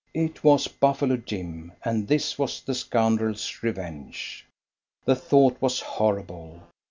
It was Buffalo Jim, and this was the scoundrel's revenge. The thought was horrible.